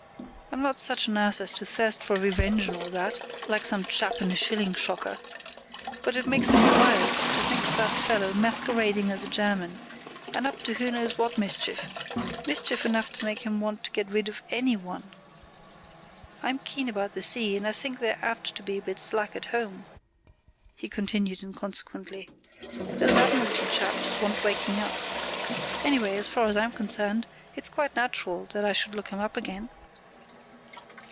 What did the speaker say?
I'm not such an ass as to thirst for revenge and all that, like some chap in a shilling shocker. But it makes me wild to think of that fellow masquerading as a German, and up to who knows what mischief—mischief enough to make him want to get rid of any one. I'm keen about the sea, and I think they're apt to be a bit slack at home," he continued inconsequently. "Those Admiralty chaps want waking up. Anyway, as far as I'm concerned, it's quite natural that I should look him up again."